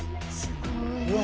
うわ